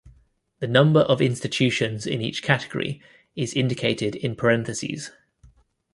The number of institutions in each category is indicated in parentheses.